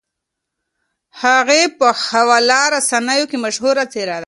هغې په خواله رسنیو کې مشهوره څېره ده.